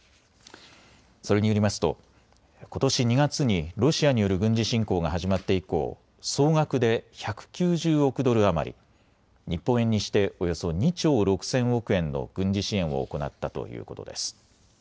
それによりますとことし２月にロシアによる軍事侵攻が始まって以降、総額で１９０億ドル余り、日本円にしておよそ２兆６０００億円の軍事支援を行ったということです。